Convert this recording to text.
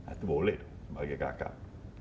itu boleh sebagai kakak